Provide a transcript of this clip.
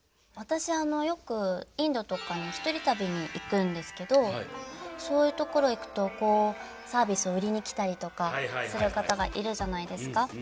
私よくインドとかに１人旅に行くんですけどそういう所へ行くとこうサービスを売りに来たりとかする方がいるじゃないですか。